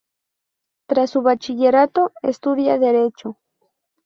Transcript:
Tras su bachillerato, estudia derecho.